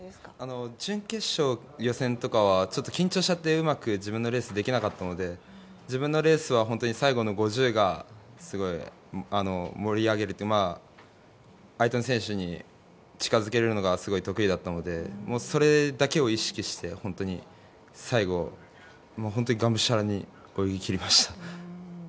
予選とかは緊張しちゃってうまく自分のレースできなかったので自分のレースは最後の５０が盛り上げるというか相手の選手に近づけるのがすごい得意だったのでそれだけを意識して最後、がむしゃらに泳ぎ切りました。